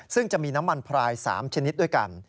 ซึ่งจะมีน้ำมันพราย๓ชนิดด้วยกัน